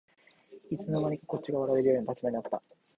いつの間にかこっちが笑われる立場になってた